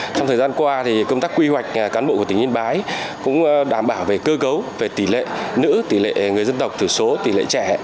trong thời gian qua công tác quy hoạch cán bộ của tỉnh yên bái cũng đảm bảo về cơ cấu về tỷ lệ nữ tỷ lệ người dân tộc thiểu số tỷ lệ trẻ